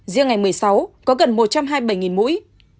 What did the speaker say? riêng ngày một mươi sáu có gần một trăm hai mươi bảy mũi